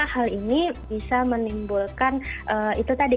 hal ini bisa menimbulkan itu tadi